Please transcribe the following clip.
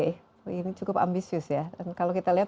ini cukup ambisius ya dan kalau kita lihat